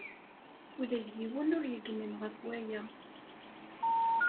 Ula d yiwen ur yegmin ɣef waya.